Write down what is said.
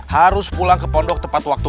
harus pulang ke pondok tepat waktu